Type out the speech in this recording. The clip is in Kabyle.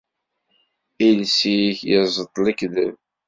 Iles-ik iẓeṭṭ lekdeb.